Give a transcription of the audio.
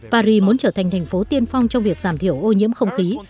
paris muốn trở thành thành phố tiên phong trong việc giảm thiểu ô nhiễm không khí